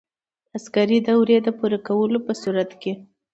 د عسکري دورې د پوره کولو په صورت کې.